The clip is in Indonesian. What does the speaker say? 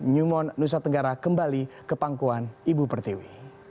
newmont nusa tenggara kembali ke pangkuan ibu pertiwi